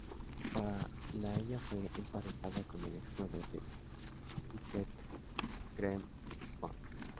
Para la ella fue emparejada con el ex jugador de cricket Graeme Swann.